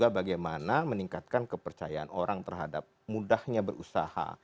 bagaimana meningkatkan kepercayaan orang terhadap mudahnya berusaha